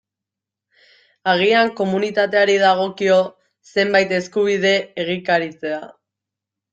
Agian komunitateari dagokio zenbait eskubide egikaritzea.